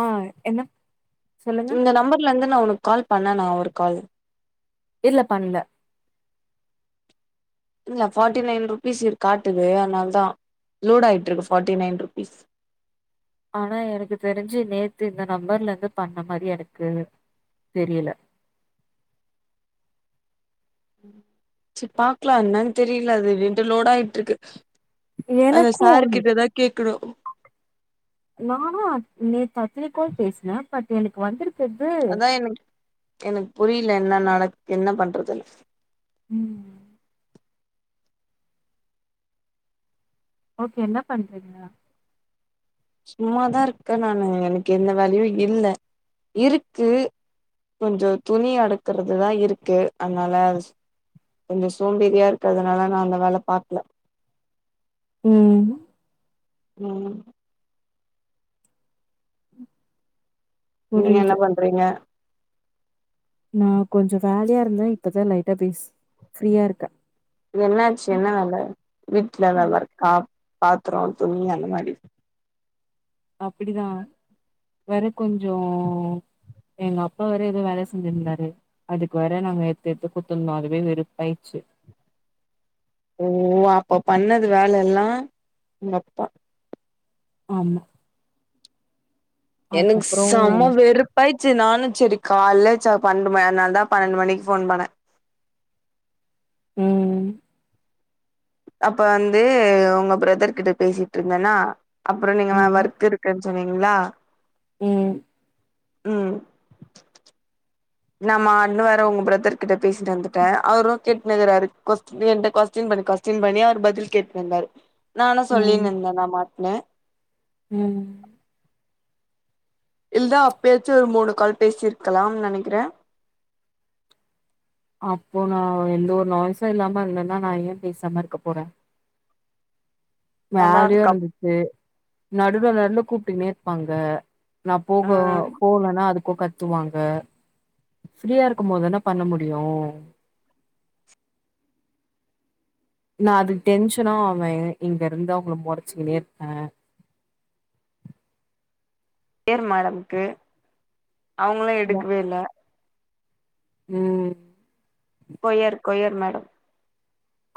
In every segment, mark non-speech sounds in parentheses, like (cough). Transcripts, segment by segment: ஆ என்னப் இந்த நம்பர்லந்து நா உனக் கால்ப் பண்ணேனா ஒரு கால் இல்லப் பண்ல இல்ல ஃபார்ட்டி நைன் ருப்பீஸ் இருக் காட்டுது அன்னால்தா லோடு ஆயிட்ருக்கு ஃபார்ட்டி நைன் ருப்பீஸ் ஆனா எனக்கு தெரிஞ்சி நேத்து இந்த நம்பர்லந்துப் பண்ண மாரி எனக்கு தெரியில சிப் பாக்லா என்னன் தெரில அது ரெண்டு லோடாயிட்ருக்கு அந்த எனக்கு சாரு கிட்டதாக் கேக்குணு நானு அத் நேத்து அத்தனை கால் பேசுனே பட் எனக்கு வந்துருக் அதா எனக் எனக்கு புரியல என்ன நடக் என்ன பண்றதுனு ம் ஓகே என்ன பண்றீங்க சும்மாதா இருக்க நானு எனக்கு எந்த வேலையு இல்ல இருக்கு கொஞ்ச துணி அடுக்குறது தா இருக்கு அதனால கொஞ்ச சோம்பேறியா இருக்கு அதுனால நா அந்த வேல பாக்ல ம் ம் நீங்க என்ன புரியுது பண்றீங்க நா கொஞ்ச வேலையா இருந்தே இப்பதா லைட்டா பேசு ஃப்ரீயா இருக்கே என்னாச்சு என்ன வேல வீட்ல வேல இருக்கா பாத்தர துணி அந்த மாரி அப்பிடிதா வேற கொஞ்சோ எங்க அப்பா வேற எதோ வேல செஞ்சிருந்தாரு அதுக்கு வேற நாங்க எட்த்து எட்த்து குட்த்துருந்தோ அதுவே வெருப்பாயிருச்சு ஓ அப்ப பண்ணது வேல எல்லா எங்கப்பா ஆமா எனக்கு அதுக்கப்றோ செம்ம வெறுப் பாயிர்ச்சு நானு சேரி கால்ல ச பன்னண்டு ம அதனால தா பன்னெண்டு மணிக்கு ஃபோன் பண்ணே ம் அப்ப வந்து உங்க பிரதர் கிட்ட பேசிட்ருந்தனா அப்பற நீங்க ம் வர்க் இருக் க்குன் சொன்னீங்ளா ம் ம் நம்ம அண்ண வேற உங்க பிதர்க்கிட்ட பேசிட்டு வந்துட்டே அவரு கேட்னுக்குறாரு கொஸ் என்ட்ட கொஸ்டின் பண்ணி கொஸ்டின் பண்ணி அவரு பதில் கேட்னுந்தாரு நானு ம் சொல்லினு இருந்தே நா மாட்னு ம் இல்தா அப்பயாச்சு ஒரு மூணு கால் பேசிருக்கலாம்னு நெனைக்கிறே அப்போ நா எந்த ஒரு நாய்ஸு இல்லாம இருந்தனா நா ஏ பேசாம இருக்கப் போறே அதா வேலையா அதுக்கப் இருந்துச்சு நடுல நடுல கூப்ட்டுக்குனே இருப்பாங்க நா போக ஆ போகலனா அதுக்கு கத் த்துவாங்க ஃப்ரீயா இருக்கும் போதுதான பண்ண முடியு நா அதுக்கு டென்ஷனா ஆவே இங்கருந்து அவ்ங்கள மொறச்சுக்குனே இருப்பே எர் மேடமுக்கு அவ்ங்களு எடுக்கவே இல்ல ம் கொய்யர் கொய்யர் மேடம்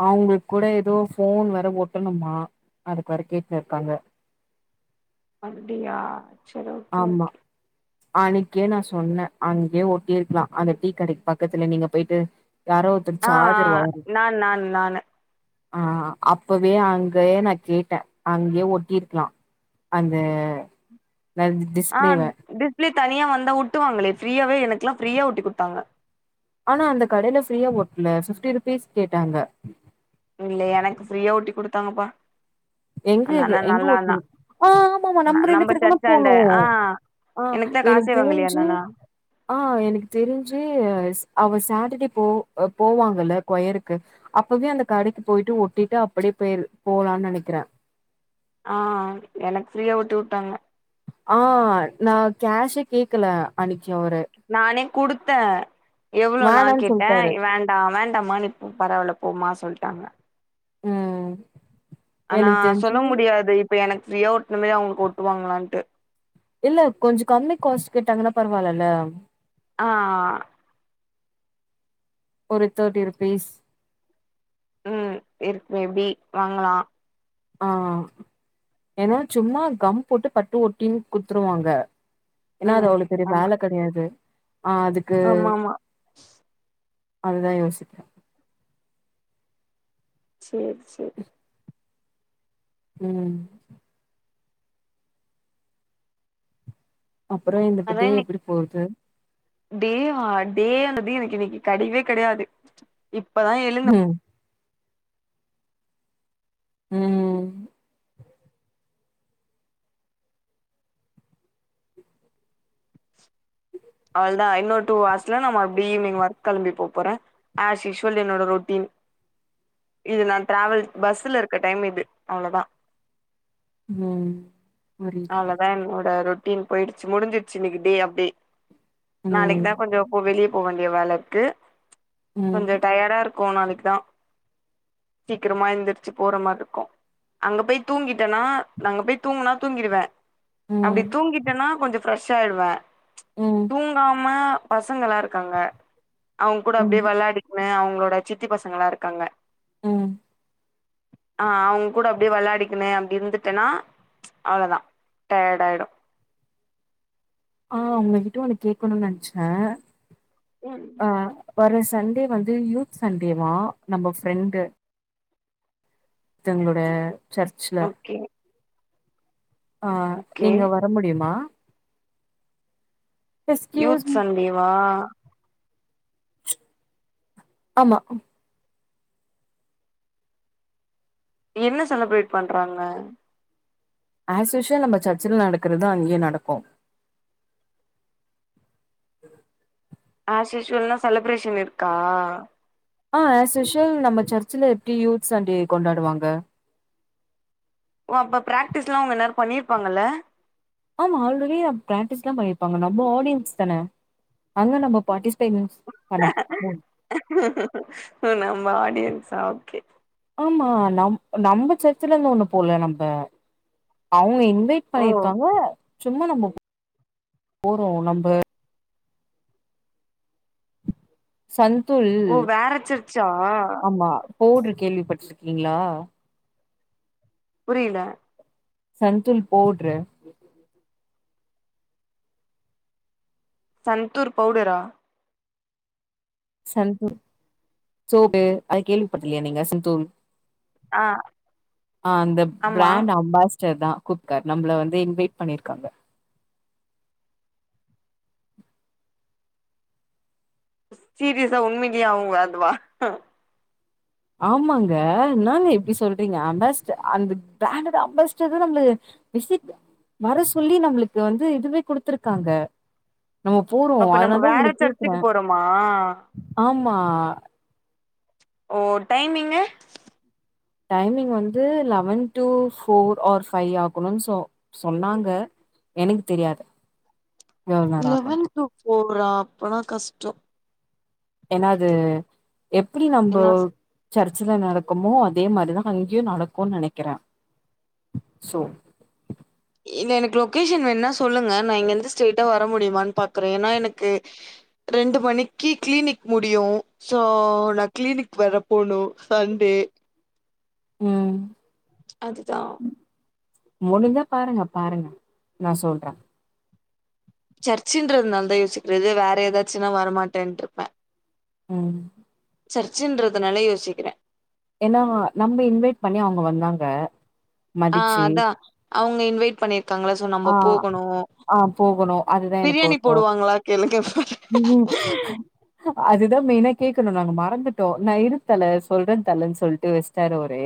அவ்ங்களுக்கு கூட எதோ ஃபோன் வேற ஒட்டனுமா அதுக்கு வேற கேட்னு இருக்காங்க அப்டியா சரி ஓகே ஆமா ஓகே அன்னைக்கே நா சொன்னே அன்னைக்கே ஒட்டிருக்கலா அந்த டீ கடைக்கு பக்கத்துல நீங்க போயிட்டு யாரோ ஒருத்தர் ஆ ஆ சார்ஜர் வயரு நான் நான் நானு ஆ அப்பவே அங்கயே நா கேட்டே அங்கயே ஒட்டிருக்கலா அந்த வந்துனு ஆ டிஸ்பிளே தனியா வந்தா ஒட்டுவாங்களே ஃப்ரீயாவே எனக்குல்லா ஃப்ரீயா ஒட்டி குடுத்தாங்க ஆனா அந்த கடையில ஃப்ரீயா ஒட்ல ஃபிஃப்டி ருபீஸ் கேட்டாங்க இல்ல எனக்கு ஃப்ரீயா ஒட்டி குடுத்தாங்கப்பா எங்க அந்த அண்ணா எங்க நல்லா அண்ணா ஒட்னீங் ஆ ஆமா ஆமா நம்ம ரெண்டு பேரு தான சர்ச்சாண்ட போனோ ஆ ஆ எனக்குதா எனக்கு காசே வாங்கலையா தெரிஞ்சு அந்த அண்ணா ஆ எனக்கு தெரிஞ்சு ஸ் அவ சாட்டர்டே போ போவாங்கல்ல கொயருக்கு அப்பவே அந்த கடைக்கு போயிட்டு ஒட்டிட்டு அப்டியே பேய்ர் போலான் நெனைக்கிறே ஆ எனக்கு ஃப்ரீயா ஒட்டி வுட்டாங்க ஆ நா கேஷே கேக்கல அன்னைக்கு அவரு நானே குடுத்தே எவ்ளோணா வேணான்னு கேட்டே சொல்ட்டாரு வேண் டாமா வேண்டாமா நீ இப்ப பரவால போமா சொல்ட்டாங்க ம் ஆனா எனக்கு சொல்ல தெரிஞ்சு முடியாது இப்ப எனக்கு ஃப்ரீயா ஒட்ன மேதி அவங்ளுக்கு ஓட்டுவாங்களான்ட்டு இல்ல கொஞ்சோ கம்மி காஸ்ட் கேட்டாங்கன்னா பரவாலல ஆ ஆ ஒரு தேட்டி ரூபிஸ் ம் இருக்கு எப்டி வாங்கலா ஆ ஏனா சும்மா கம் போட்டு பட்டு ஒட்டின் குத்துருவாங்க என்னா அது ம் அவ்ளவு பெரிய ஆமா வேல கெடயாது ஆ அதுக்கு ஆமா ஆமா அதுதா யோசிச்சே செரி செரி ம் அப்பறோ இந்த டே எப்டி போது டேயா டேயானது எனக்கு இன்னைக்கி கெடயவே கெடயாது இப்பதா எழ் ம் ம்ம் அவ்ளதா இன்னொரு டூ ஹவர்ஸ்ல நா மறுபடி ஈவினிங் ஒர்க் கெளம்பி போ போறே அஸ் யுஸ்வல் என்னோட ரொட்டீன் இது நா ட்ராவல் பஸ்ல இருக்க டைம் இது அவ்ளோதா ம் புரியுது அவ்ளோதா என்னோட ரொட்டீன் போயிடுச்சு முடிஞ்சிச்சு இன்னைக்கு டே அப்டி நாளைக்கு ம் தா கொஞ்சோ போ வெளிய போ வேண்டிய வேல இருக்கு ம் கொஞ்சோ டயர்டா இருக் போ நாளைக்கு சீக்கிரமா எந்திரிச்சு போற மாற் இருக்கு அங்க போய் தூங்கிட்டேன்னா நாங்க போய் தூங்குனா தூங்கிருவே அப்டி ம் தூங்கிட்டேன்னா கொஞ்சோ ஃப்ரெஷ் ஆயிடுவே ம் தூங்காம பசங்களா இருக்காங்க அவங்கூட ம் அப்டியே வெளாடி மே அவங்களோட சித்தி பசங்களா இருக்காங்க ம் ஆ அவங்கூட அப்டியே விளாடிக்குனே அப்டி இருந்துட்டேனா அவ்ளோ தா டயர்ட் ஆயிடு ஆ உங்ககிட்ட ஒன்னு கேக்கணுனு நெனச்சே ம் ஆ வர சண்டே வந்து யூத் சண்டேவா நம்ம ஃப்ரெண்டு ஒருத்தங்களோட சர்ச்சுல ஓகே ஆ ஓகே நீங்க வர முடியுமா எக்ஸ்கியூஸ் யூத் மீ சண்டே வா ஆம்மா என்ன செலப்ரேட் பண்றாங்க ஏஸ் யுஸ்வல் நம்ம சர்ச்சுல நடக்கறதா அங்கியு நடக்கு ஏஸ் யுஷ்வல்னா செலிப்ரேஷன் இருக்கா அ ஏஸ் யுஷ்வல் நம்ம சர்ச்ல எப்டி யூத் சண்டே கொண்டாடுவாங்க ஓ அப்போ ப்ராக்டிஸ்லா அவங்க இந்நேரோ பண்ணிருப்பாங்கல ஆமா ஆல்ரெடி ப்ராக்டிஸ்லா பண்ணிருப்பாங்க நம்ப ஆடியன்ஸ் தான அங்க நம்ம பார்ட்டிசிபேட் பண்ண போறோ நம்ம ஆடியன்ஸா ஓகே ஆமா நம் நம்ம சர்ச்சல இருந்து ஒண்ணு போல நம்ம அவங்க இங் இன்வெயிட் ஓ பண்ணிருக்காங்க சும்மா நம்ம போறோ நம்ப சந்துல் ஓ வேற சர்ச்சா ஆமா பேப்வ்டுரு கேள்விப்பட்ருக்கீங்ளா புரில சந்துல் போப்வ்டுரு சந்தூர் பவுடரா சந்தூர் சோப்பு அத கேள்விப்பட்டதுலையா நீங்க சந்தூர் ஆ அ அந்த ஆமா பிராண்ட் அம்பாஸ் டர்தா (unintelligible) நம்மள வந்து இன்வைட் பண்ணிருக்காங்க சீரியஸா உண்மைலயே அவங்க அதுவா ஆமாங்க என்னாங்க இப்டி சொல்றீங்க அம்பாஸ்டர் அந்த பிராண்டோட அம்பாஸ்டர் தா நம்ப இஸிட் வர சொல்லி நம்ளுக்கு வந்து இதுவே குடுத்துருக்காங்க நம்ம போறோ அப்ப நம்ம அதனால தா வேற உங்கள கேக்றே சர்ச்சுக்கு போறோமா ஆம்மா ஓ டைமிங்கு டைமிங் வந்து eleven two four or five ஆகணுனு சொ சொன்னாங்க எனக் தெரியாது எவ்ளோ நேரம் ஆகும்னு. லெவன் டு போஃரா அப்பனா கஷ்டோ என்னா அது எப்டி நம்போ ஏன்னா சர்ச்சில நடக்குமோ அதே மாரிதா அங்கேயு நடக்குன் நெனைக்கற சோ இல்ல எனக்கு லொகேஷன் வேணுனா சொல்லுங்க நா இங்க இருந்து ஸ்ரெட்டா வர முடியுமான் பாக்குறே ஏனா எனக்கு ரெண்டு மணிக்கு கிளினிக் முடியு சோ நா கிளினிக் வேற போனு சண்டே ம் அதுதா முடிஞ்சா பாருங்க பாருங்க நா சொல்ற சர்ச்சின்றதுனால தா யோசிக்றது வேற ஏதாச்சுனா வரமாட்டேன்ருப்ப ம் சர்ச்சின்றதுனால யோசிக்கிறே ஏன்னா நம்ப இன்வைட் பண்ணி அவ்ங்க வந்தாங்க ஆ மதிச்சு அதா அவ்ங்க இன்வைட் பண்ணியிருக்காங்கள ஆ நம்ப போகணு ஆ போகணு அதுதா பிரியாணி போடுவாங்களா கேளுங்க ம் அதுதா மெய்னா கேக்கணு நாங்க மறந்துட்டோ நா இரு தல சொல்ற தலன்னு சொல்ட்டு வஸ்டாரு அவ்ரு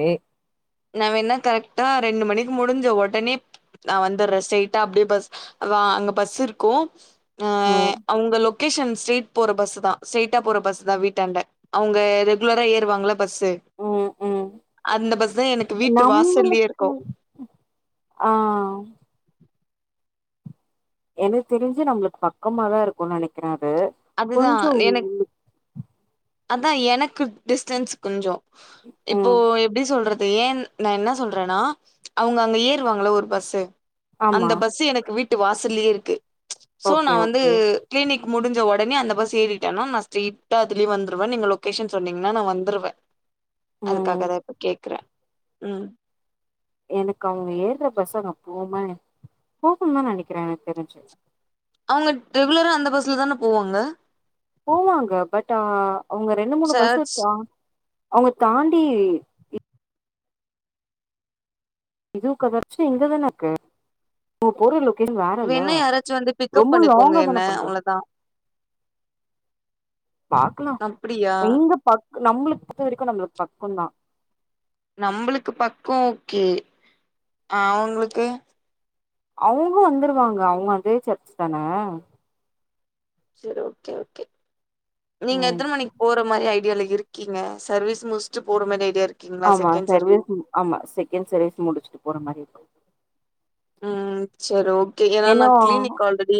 நா வேண்னா கரெக்ட்டா ரெண்டு மணிக் முடிஞ்ச உடனே நா வந்துற ஸ்டெய்ட்டா அப்டி பஸ் அதா அங்க பஸ் இருக்கு அ ம் அவ்ங்க லொகேஷன் ஸ்ட்ரேட் போற பஸ் தா ஸ்ரைட்டா போற பஸ் தா வீட்டாண்ட அவ்ங்க ரெகுலரா ஏறுவாங்கள பஸ்ஸு அந்த பஸ் தா எனக்கு வீட்டு வாசல்லயே நம்முளுக் இருக்கு ஆ எனக் தெரிஞ்சு நம்ளுக்கு பக்கமாதா இருக்குன் நனைக்கிற அது அதுதா கொஞ்சோ எனக் அதா எனக்கு டிஸ்டன்ஸ் கொஞ்சொ இப்போ ம் எப்டி சொல்றது ஏன் நா என்ன சொல்றேன்னா அவ்ங்க அங்க ஏறுவாங்கள ஒரு பஸ்சு ஆமா அந்த பஸ்சு எனக்கு வீட் ட்டு வாசலியே இருக்கு சோ நா ஓகே வந்து ஓகே கிளினிக் முடிஞ்ச உட ஒடனே அந்த பஸ் ஏறிட்டனா நா ஸ்ட்ரெய்ட்டா அதுலே வந்துருவ நீங்க லொகேஷன் சொன்னீங்ன்னா நா வந்துருவ ம் அதுக்காகதா இப்ப கேக்குற ம் எனக்கு அவ்ங்க ஏருற பஸ் அங் போம போகு தா நெனைக்கிற எனக்கு தெரிஞ்சு அவ்ங்க ரெகுலரா அந்த பஸ்ல தான போவாங்க போவாங்க பட் அவ்ங்க ரெண்டு மூணு பஸ் சர்ச் அவ்ங்க தாண்டி இதுவு கதர்ச்சி இங்கதான இருக்கு ஓ பொருளு செரி வேறல்ல வேணா யாராச்சும் வந்து பிக்கப் ரொம்ப பண்ணிக்கோங்க லாங்கா தான என்ன, பண்றோ அவ்வளோதான். பாக்லா அப்படியா? எங்க பக்நம்ளுக்கு பொருத்தவரக்யு நம்ளுக்கு பக்கொதா நம்ளுக்கு பக்கொ ஓகே அ அவ்ங்ளுக்கு அவ்ங்குளு வந்துருவாங்க அவ்ங்க அதே சர்ச்சு தான செரி ஓகே ஓகே நீங்க ம் எத்தன மணிக் போற மாரி ஐடியால இருக்கீங்க சர்வீஸ் முஸ்டு போற மாரி ஐடியா இருக் ஆமா சர்வீஸ் ஆமா செகண்ட் சர்வீஸ் முடிச்சுட்டு போற மாரி இருக் ம் செரி ஓகே ஏனா னா ஏன்னா கிளினிக் ஆல்ரெடி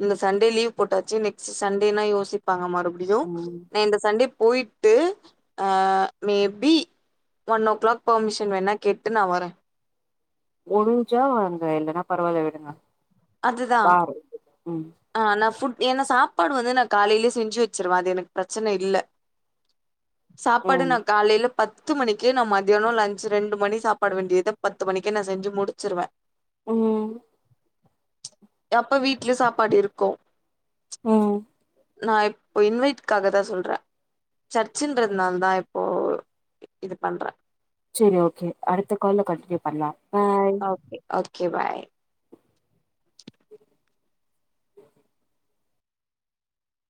இந்த சண்டே லீவ் போட்டாச்சு நெக்ஸ்ட் சண்டேனா யோசிப்பாங்க மறுபடியு ம் நா இந்த சண்டே போயி ட்டு அ maybe one o'clock permission வேணா கேட்டு நா வர ஒழுஞ்சா வாங்க இல்லன்னா பரவாயில்ல விடுங்க பாரு ம் ஆ நா ஃபுட் ஏனா சாப்பாடு வந்து நா காலையிலெ செஞ்சு வச்சுருவ அது எனக்கு பிரச்சன இல்ல சாப்பாடு ம் நா காலைல பத்து மணிக்கே நா மத்யானொ லன்ச் ரெண்டு மணி சாப்பாடு வேண்டியத பத்து மணிக்கே நா செஞ்சு முடிச்சிருவ ஓ எப்ப வீட்லியு சாப்பாடு இருக்கு ஓ நா இப்போ இன்வைட்காக தா சொல்றே சர்ச்சுன்றதுனால தா இப்போ இது பண்ற செரி ஓகே அடுத்த கால்ல கண்டியூ பண்லாம் பாய் ஓகே ஓகே பாய்